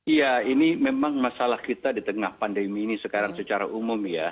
iya ini memang masalah kita di tengah pandemi ini sekarang secara umum ya